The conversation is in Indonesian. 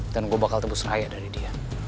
dan gue bakal tebus raya dari dia